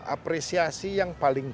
apresiasi yang paling